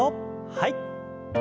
はい。